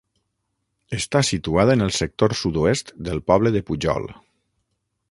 Està situada en el sector sud-oest del poble de Pujol.